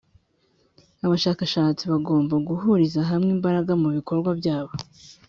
abashakashatsi bagomba guhuriza hamwe imbaraga mu bikorwa byabo,